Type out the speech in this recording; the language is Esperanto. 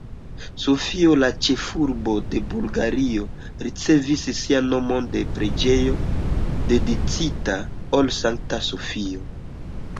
Sofio, la ĉefurbo de Bulgario, ricevis sian nomon de preĝejo dediĉita al Sankta Sofio.